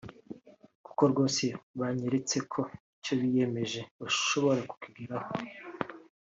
kuko rwose banyeretse ko icyo biyemeje bashobora kukigeraho